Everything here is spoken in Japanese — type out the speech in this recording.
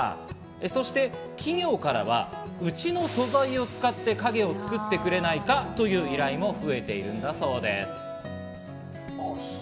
そして企業からはうちの素材を使って影を作ってくれないかという依頼も増えているんだそうです。